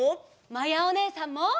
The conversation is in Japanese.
まやおねえさんも。